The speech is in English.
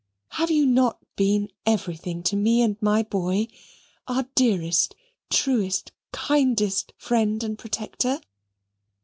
Have you not been everything to me and my boy? Our dearest, truest, kindest friend and protector?